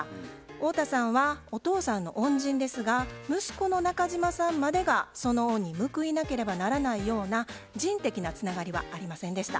太田さんはお父さんの恩人ですが息子の中島さんまでがその恩に報いなければならないような人的なつながりはありませんでした。